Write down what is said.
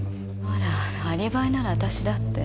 あらアリバイなら私だって。